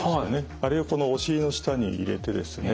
あれをお尻の下に入れてですね